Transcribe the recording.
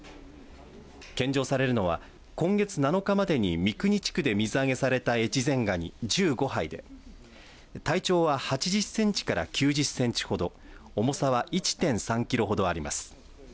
献上されるのは今月７日に三国地区で水揚げされた越前がに１５杯で体長は８０センチから９０センチほど重さは１．３キロほどあります。